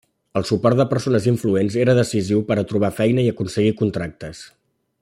El suport de persones influents era decisiu per a trobar feina i aconseguir contractes.